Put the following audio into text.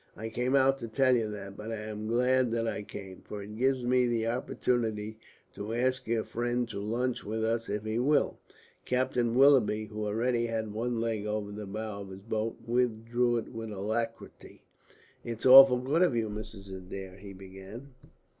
I came out to tell you that, but I am glad that I came, for it gives me the opportunity to ask your friend to lunch with us if he will." Captain Willoughby, who already had one leg over the bows of his boat, withdrew it with alacrity. "It's awfully good of you, Mrs. Adair," he began.